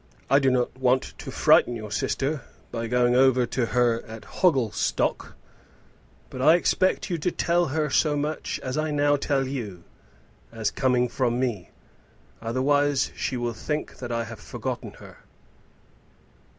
I do not want to frighten your sister by going over to her at Hogglestock, but I expect you to tell her so much as I now tell you, as coming from me; otherwise she will think that I have forgotten her."